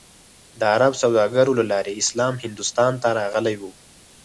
د عرب سوداګرو له لارې اسلام هندوستان ته راغلی و.